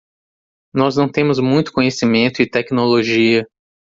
Nós não temos muito conhecimento e tecnologia